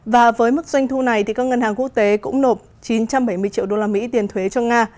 và với mức doanh thu này các ngân hàng quốc tế cũng nộp chín trăm bảy mươi triệu usd tiền thuế cho nga